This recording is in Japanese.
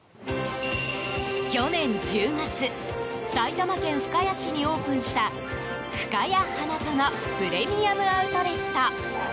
去年１０月埼玉県深谷市にオープンしたふかや花園プレミアム・アウトレット。